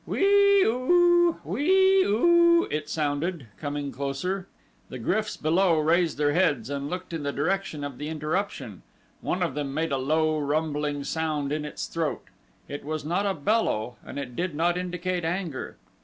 "Whee oo! Whee oo!" it sounded, coming closer. The gryfs below raised their heads and looked in the direction of the interruption. One of them made a low, rumbling sound in its throat. It was not a bellow and it did not indicate anger.